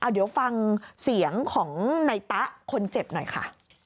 เดี๋ยวฟังเสียงของในตะคนเจ็บหน่อยค่ะ